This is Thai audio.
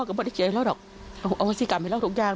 ก็ไม่ได้เสียให้เล่าหรอกเอาวัสิกรรมให้เล่าทุกอย่าง